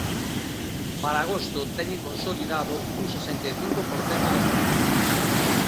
Para agosto teñen consolidado un sesenta e cinco por cento das prazas.